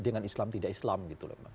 dengan islam tidak islam gitu loh